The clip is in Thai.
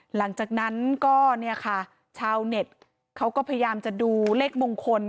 หลังจากนั้นก็เนี่ยค่ะชาวเน็ตเขาก็พยายามจะดูเลขมงคล